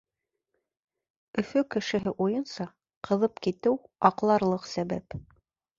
Өфө кешеһе уйынса, ҡыҙып китеү — аҡларлыҡ сәбәп.